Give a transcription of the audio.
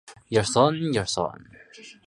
明末进士。